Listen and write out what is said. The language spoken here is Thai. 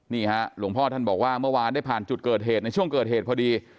นี่ฮะหลวงพ่อท่านบอกว่าเมื่อวานได้ผ่านจุดเกิดเหตุในช่วงเกิดเหตุพอดี